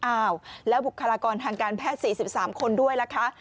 อ้าวแล้วบุคลากรทางการแพทย์๔๓คนด้วยล่ะคะ